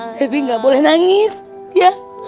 debbie gak boleh nangis ya